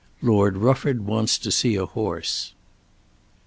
LORD RUFFORD WANTS TO SEE A HORSE.